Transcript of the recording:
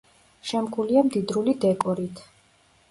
შემკულია მდიდრული დეკორით.